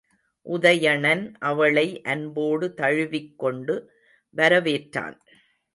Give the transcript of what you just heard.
உதயணன் அவளை அன்போடு தழுவிக்கொண்டு வரவேற்றான்.